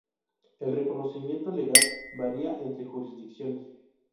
El reconocimiento legal varía entre jurisdicciones.